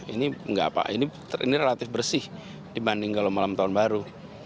ini enggak pak ini relatif bersih dibanding kalau malam tahun baru